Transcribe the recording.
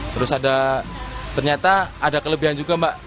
terus ada ternyata ada kelebihan juga mbak